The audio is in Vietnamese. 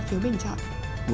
một phiếu bình chọn